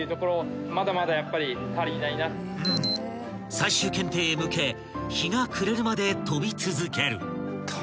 ［最終検定へ向け日が暮れるまで飛び続ける］